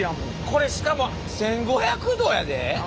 これしかも１，５００℃やで。